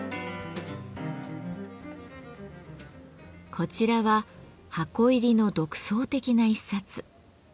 こちらは箱入りの独創的な一冊。